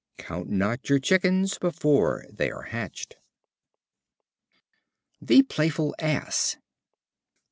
Count not your chickens before they are hatched. The Playful Ass.